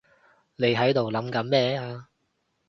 你喺度諗緊咩啊？